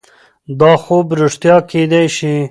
دا خوب رښتیا کیدای شي.